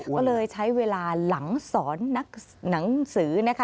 ก็เลยใช้เวลาหลังสอนนักหนังสือนะคะ